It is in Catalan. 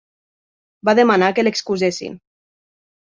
Va demanar que l'excusessin.